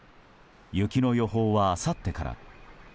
雪の予報は、あさってから。